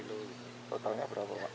totalnya berapa pak